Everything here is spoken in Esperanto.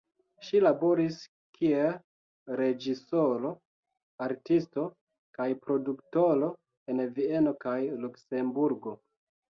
Ŝi laboris kiel reĝisoro, artisto kaj produktoro en Vieno kaj Luksemburgo.